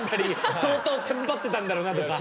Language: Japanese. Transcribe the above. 相当テンパってたんだろうなとか。